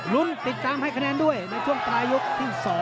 ลุ้นติดตามให้คะแนนด้วยในช่วงปลายยกที่๒